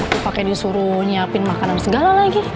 aku pake disuruh nyiapin makanan segala lagi